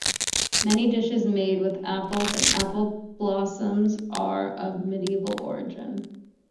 Many dishes made with apples and apple blossom are of medieval origin.